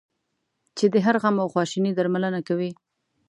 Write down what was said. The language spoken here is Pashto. چې د هر غم او خواشینی درملنه کوي.